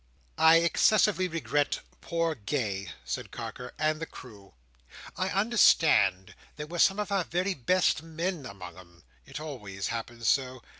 "I excessively regret poor Gay," said Carker, "and the crew. I understand there were some of our very best men among 'em. It always happens so.